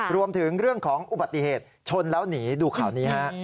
รวมถึงเรื่องของอุบัติเหตุชนแล้วหนีดูข่าวนี้ฮะ